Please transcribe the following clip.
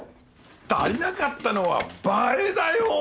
足りなかったのは映えだよ。